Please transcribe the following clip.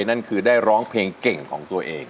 นั่นคือได้ร้องเพลงเก่งของตัวเอง